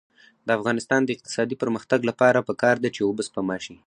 د افغانستان د اقتصادي پرمختګ لپاره پکار ده چې اوبه سپما شي.